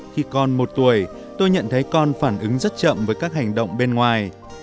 khi con một tuổi tôi nhận thấy con phản ứng rất chậm với các hành động bên ngoài